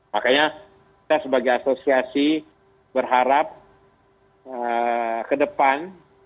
makanya kita sebagai asosiasi berharap ke depan